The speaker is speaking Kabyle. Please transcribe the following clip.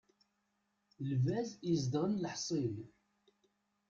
Lbaz izedɣen leḥṣin.